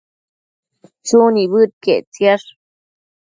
Chu nibëdquiec ictisash